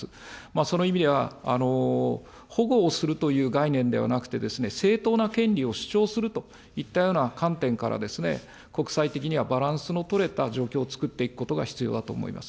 その意味では、保護をするという概念ではなくて、正当な権利を主張するといったような観点からですね、国際的にはバランスの取れた状況をつくっていくことが必要だと思います。